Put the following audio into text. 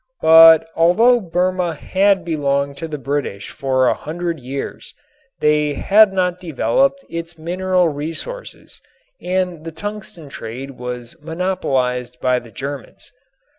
But although Burma had belonged to the British for a hundred years they had not developed its mineral resources and the tungsten trade was monopolized by the Germans.